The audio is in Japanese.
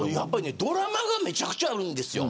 ドラマがめちゃくちゃあるんですよ。